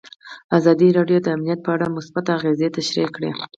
ازادي راډیو د امنیت په اړه مثبت اغېزې تشریح کړي.